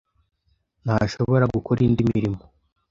ntashobora gukora indi mirimo.